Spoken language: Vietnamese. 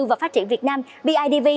và phát triển việt nam bidv